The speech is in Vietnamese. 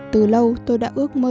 từ lâu tôi đã ước mơ